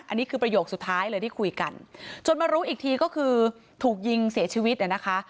อันนี้คือประโยคสุดท้ายเลยที่คุยกันจนมารู้อีกทีก็คือถูกยิงเสียชีวิตเนี่ยนะคะ